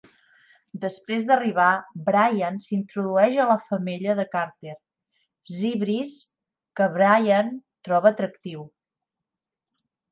Després d'arribar, Brian s'introdueix a la femella de Carter, Seabreeze, que Brian troba atractiu.